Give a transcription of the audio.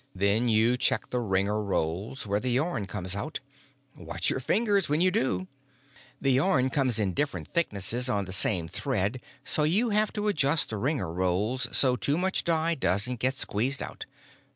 Then you check the wringer rolls where the yarn comes out. Watch your fingers when you do! The yarn comes in different thicknesses on the same thread so you have to adjust the wringer rolls so too much dye doesn't get squeezed out.